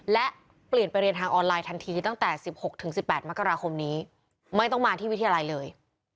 และเปลี่ยนไปเรียนทางออนไลน์ทันทีตั้งแต่๑๖๑๘มกราคมนี้ไม่ต้องมาที่วิทยาลัยเลย